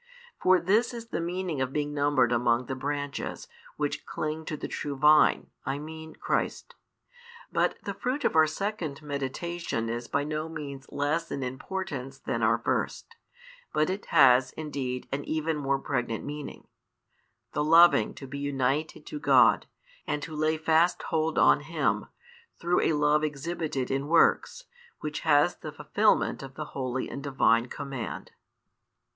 For this is the |385 meaning of being numbered among the branches, which cling to the true Vine, I mean Christ. But the fruit of our second meditation is by no means less in importance than our first, but it has, indeed, an even more pregnant meaning: the loving to be united to God, and to lay fast hold on Him, through a love exhibited in works, which has the fulfilment of the holy and Divine command.